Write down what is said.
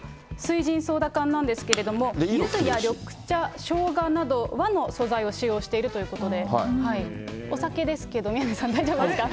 翠ジンソーダ缶なんですけど、ゆず、緑茶、しょうがなど和の素材を使用しているということで、お酒ですけど、宮根さん、大丈夫ですか？